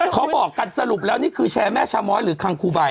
เขาบอกกันสรุปแล้วนี่คือแชร์แม่ชาม้อยหรือคังคูใบ